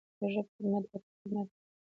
د ژبي خدمت، د وطن خدمت دی.